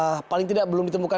nah paling tidak belum ditemukan